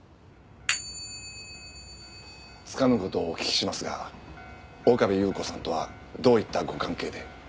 つかぬ事をお聞きしますが岡部祐子さんとはどういったご関係で？